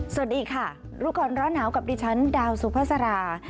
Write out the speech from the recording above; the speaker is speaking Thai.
สวัสดีค่ะรู้ก่อนร้อนหนาวกับดิฉันดาวสุภาษารา